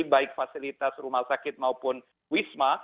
baik fasilitas rumah sakit maupun wisma